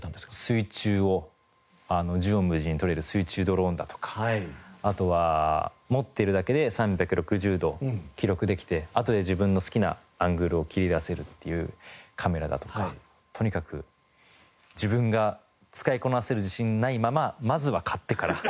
水中を縦横無尽に撮れる水中ドローンだとかあとは持ってるだけで３６０度記録できてあとで自分の好きなアングルを切り出せるっていうカメラだとかとにかく自分が使いこなせる自信ないまままずは買ってから。